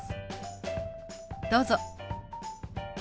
どうぞ。